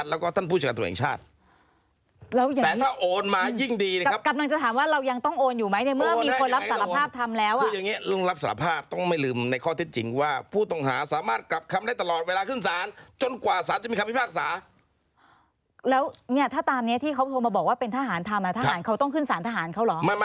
แล้วเนี่ยถ้าตามเนี้ยที่เขาโทรมาบอกว่าเป็นทหารธรรมน่ะทหารเขาต้องขึ้นศาลทหารเขาเหรอ